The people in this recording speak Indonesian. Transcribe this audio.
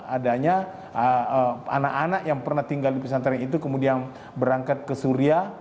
adanya anak anak yang pernah tinggal di pesantren itu kemudian berangkat ke suria